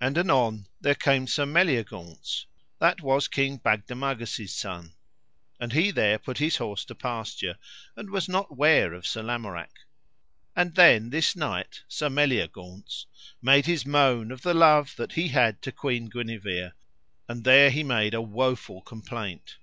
And anon there came Sir Meliagaunce, that was King Bagdemagus' son, and he there put his horse to pasture, and was not ware of Sir Lamorak; and then this knight Sir Meliagaunce made his moan of the love that he had to Queen Guenever, and there he made a woful complaint.